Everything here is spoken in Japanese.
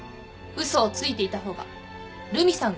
嘘をついていた方が留美さん